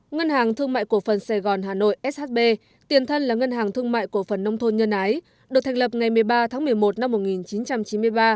ngân hàng thương mại cổ phần sài gòn hà nội shb tiền thân là ngân hàng thương mại cổ phần nông thôn nhân ái được thành lập ngày một mươi ba tháng một mươi một năm một nghìn chín trăm chín mươi ba